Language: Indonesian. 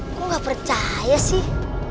aku gak percaya sih